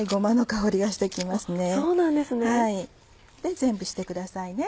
全部してくださいね。